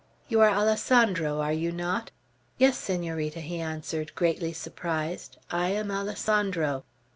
You are Alessandro, are you not?" "Yes, Senorita," he answered, greatly surprised, "I am Alessandro."